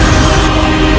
berdiri saja kaman